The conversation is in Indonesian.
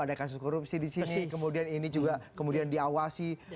ada kasus korupsi di sini kemudian ini juga kemudian diawasi